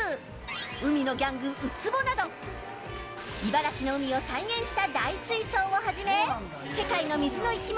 海のギャング、ウツボなど茨城の海を再現した大水槽をはじめ世界の水の生き物